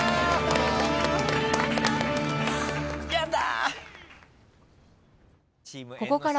やった！